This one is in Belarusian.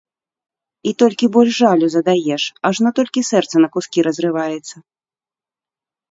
І толькі больш жалю задаеш, ажно толькі сэрца на кускі разрываецца.